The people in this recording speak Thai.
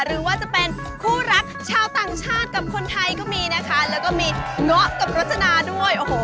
หรือว่าจะเป็นคู่รักชาวต่างชาติกับคนไทยก็มีนะคะแล้วก็มีเงาะกับรจนาด้วยโอ้โห